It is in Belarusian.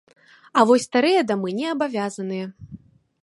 А вось старыя дамы не абавязаныя.